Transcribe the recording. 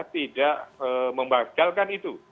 tidak membagalkan itu